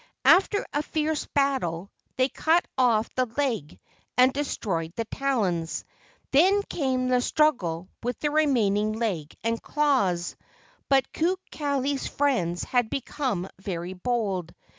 After a fierce battle they cut off the leg and destroyed the talons. Then came the struggle with the remaining leg and claws, but Kukali's friends had become very bold.